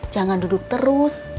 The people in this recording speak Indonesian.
jangan duduk terus